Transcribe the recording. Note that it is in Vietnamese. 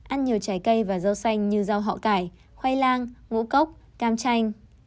ăn nhiều trái cây và rau xanh như rau họ cải khoai lang ngũ cốc cam chanh